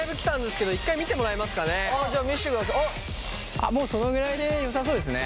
あっもうそのぐらいでよさそうですね。